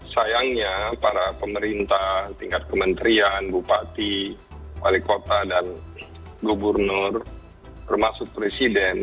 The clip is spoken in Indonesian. sayangnya para pemerintah tingkat kementerian bupati wali kota dan gubernur termasuk presiden